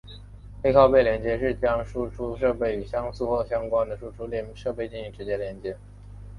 背靠背连接是指将输出设备与相似或相关的输入设备进行直接连接。